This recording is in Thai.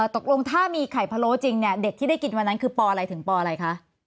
ตกลงถ้ามีไข่พะโล้จริงเนี่ยเด็กที่ได้กินวันนั้นคือปอะไรถึงปอะไรคะ